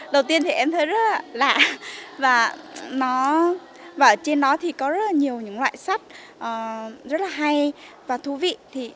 đầu tiên thì em thấy rất là lạ và trên nó có rất nhiều loại sách rất hay và thú vị